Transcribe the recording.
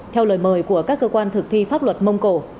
theo lời mời của các cơ quan thực thi pháp luật mông cổ